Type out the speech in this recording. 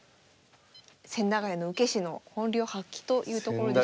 千駄ヶ谷の受け師の本領発揮というところでしょうか。